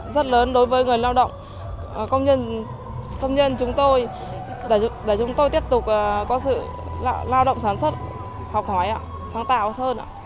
rất lớn đối với người lao động công nhân chúng tôi để chúng tôi tiếp tục có sự lao động sản xuất học hỏi sáng tạo hơn